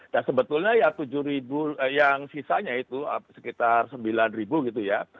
dan sebetulnya ya tujuh yang sisanya itu sekitar sembilan gitu ya